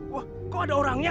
wah kok ada orangnya